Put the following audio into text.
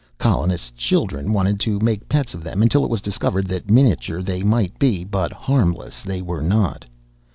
Colonists' children wanted to make pets of them until it was discovered that miniature they might be, but harmless they were not.